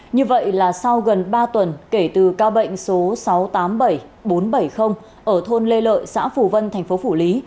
như vậy là sau gần ba tuần kể từ ca bệnh số sáu trăm tám mươi bảy bốn trăm bảy mươi ở thôn lê lợi xã phù vân thành phố phủ lý